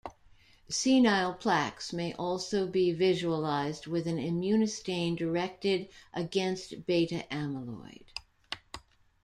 Senile plaques may also be visualized with an immunostain directed against beta amyloid.